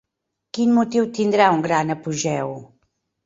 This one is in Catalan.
Quin motiu tindrà un gran apogeu?